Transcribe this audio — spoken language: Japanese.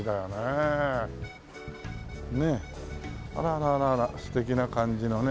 あらあらあら素敵な感じのね。